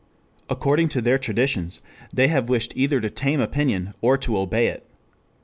According to their traditions they have wished either to tame opinion or to obey it.